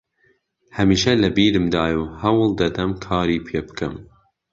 هەمیشە لە بیرمدایە و هەوڵ دەدەم کاری پێ بکەم